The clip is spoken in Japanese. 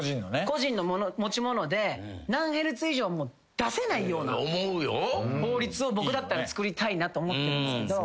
個人の持ち物で何ヘルツ以上出せないような法律を僕だったら作りたいなと思ってるんですけど。